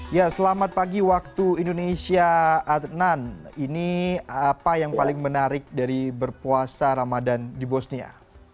ya selamat pagi waktu indonesia adnan ini apa yang paling menarik dari berpuasa ramadan di bosnia